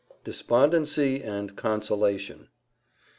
DESPONDENCY AND CONSOLATION.